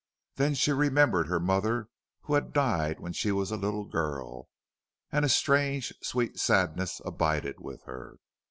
Then she remembered her mother, who had died when she was a little girl, and a strange, sweet sadness abided with her.